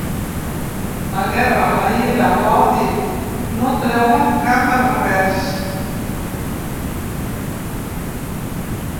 La guerra, la ira, l’odi no treuen cap a res.